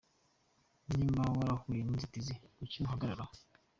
Niba warahuye n’inzitizi kuki uhagararira aho!”.